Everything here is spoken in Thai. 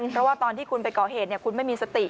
เพราะว่าตอนที่คุณไปก่อเหตุคุณไม่มีสติ